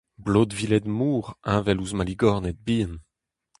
Blotviled mor heñvel ouzh maligorned bihan.